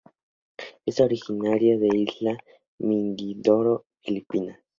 Es originaria de isla de Mindoro en Filipinas.